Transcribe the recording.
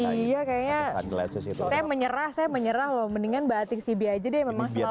iya kayaknya saya menyerah saya menyerah loh mendingan mbak atik sibi aja deh memang selalu